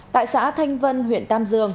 tại xã thanh vân huyện tam dương